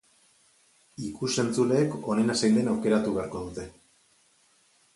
Ikus-entzuleek onena zein den aukeratu beharko dute.